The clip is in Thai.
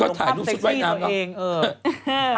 ก็ถ่ายรูปซุดว่ายน้ำเนอะก็ถ่ายรูปซุดว่ายน้ำตัวเองเออ